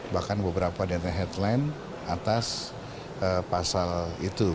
bahkan beberapa data headline atas pasal itu